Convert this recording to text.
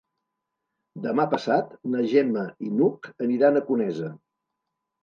Demà passat na Gemma i n'Hug aniran a Conesa.